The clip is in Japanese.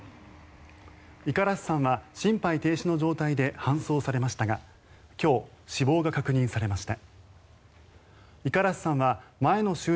五十嵐さんは心肺停止の状態で搬送されましたが今日、死亡が確認されました。